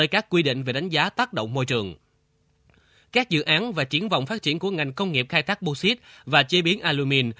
các dự án và triển vọng phát triển của ngành công nghiệp khai thác bô xít và chế biến alumin